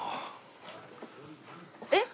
えっ？